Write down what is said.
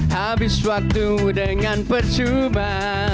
habis waktu dengan percuba